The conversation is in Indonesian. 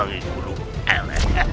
kau sudah sehat guru elen